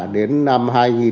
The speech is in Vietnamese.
đến năm hai nghìn hai mươi